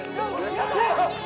やったー！